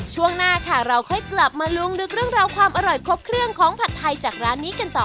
ช่วงหน้าค่ะเราค่อยกลับมาลุมลึกเรื่องราวความอร่อยครบเครื่องของผัดไทยจากร้านนี้กันต่อ